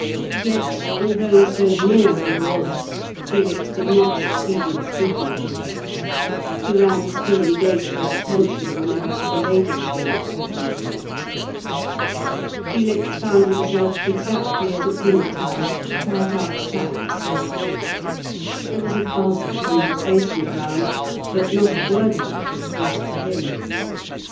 Yet, although so near Aurora, Felix did not succeed in speaking to her; Durand still engaged her attention whenever other ladies were not talking with her. Felix found himself, exactly as at dinner time, quite outside the circle. There was a buzz of conversation around, but not a word of it was addressed to him.